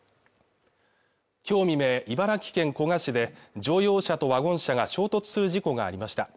今日未明茨城県古河市で乗用車とワゴン車が衝突する事故がありました